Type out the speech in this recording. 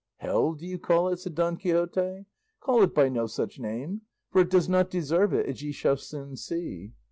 "Hell do you call it?" said Don Quixote; "call it by no such name, for it does not deserve it, as ye shall soon see."